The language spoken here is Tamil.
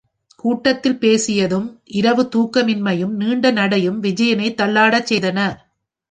கூட்டத்தில் பேசியதும் இரவு தூக்கமின்மையம் நீண்ட நடையும் விஜயனை தள்ளாடச் செய்தன.